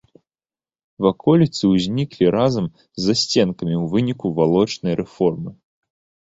Ваколіцы ўзніклі разам з засценкамі ў выніку валочнай рэформы.